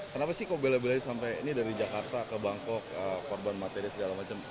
kenapa sih kok beli beli sampai ini dari jakarta ke bangkok korban mati dan segala macam